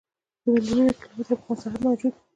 په میلیونونو کیلومترو په مساحت موجود و.